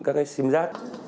các cái sim rác